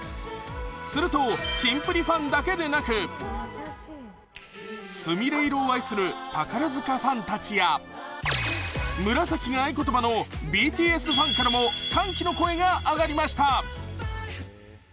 すると、キンプリファンだけでなくすみれ色を愛する宝塚ファンたちや紫が合言葉のＢＴＳファンからも歓喜の声が上がりました。